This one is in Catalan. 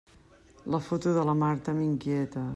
La foto de la Marta m'inquieta.